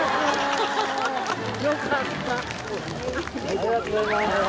ありがとうございます。